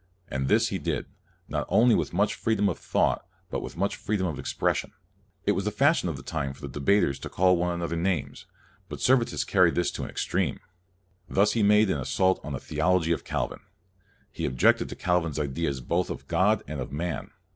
And this he did, not only with much freedom of thought, but with much freedom of expression. It was the fashion of the time for debaters to call one another names, but Servetus carried it to an extreme. Thus he made an assault on the theology of Calvin. He objected to Calvin's ideas both of God and of man.